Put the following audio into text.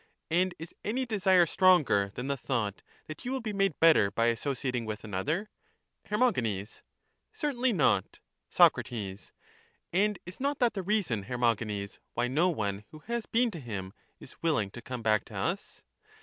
And is any desire stronger than the thought that you will be made better by associating with another? Her. Certainly not. Soc. And is not that the reason, Hermogenes, why no one, who has been to him, is willing to come back to us?